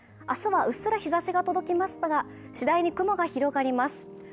明日はうっすら日ざしが届きますが次第に雲が広がります。